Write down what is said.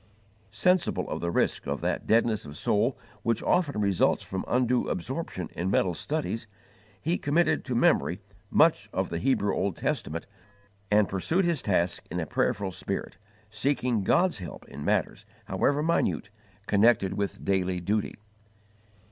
Sensible of the risk of that deadness of soul which often results from undue absorption in mental studies, he committed to memory much of the Hebrew Old Testament and pursued his tasks in a prayerful spirit, seeking God's help in matters, however minute, connected with daily duty.